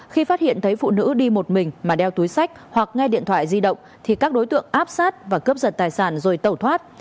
khi phát hiện thấy phụ nữ đi một mình mà đeo túi sách hoặc nghe điện thoại di động thì các đối tượng áp sát và cướp giật tài sản rồi tẩu thoát